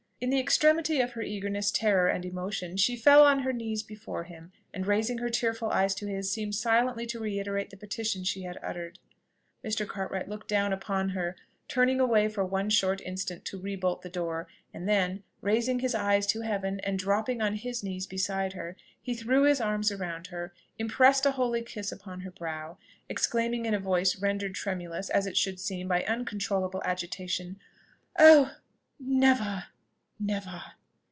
In the extremity of her eagerness, terror, and emotion, she fell on her knees before him, and raising her tearful eyes to his, seemed silently to reiterate the petition she had uttered. Mr. Cartwright looked down upon her, turned away for one short instant to rebolt the door, and then, raising his eyes to heaven, and dropping on his knees beside her, he threw his arms around her, impressed a holy kiss upon her brow, exclaiming in a voice rendered tremulous, as it should seem, by uncontrollable agitation, "Oh, never! never!"